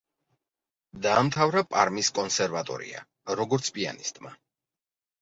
დაამთავრა პარმის კონსერვატორია, როგორც პიანისტმა.